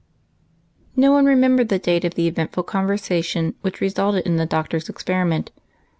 No one remembered the date of the eventful con versation which resulted in the Doctor's experiment 284 EIGHT COUSINS.